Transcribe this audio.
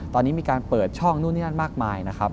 ตอนนี้มีการเปิดช่องนู่นนี่นั่นมากมายนะครับ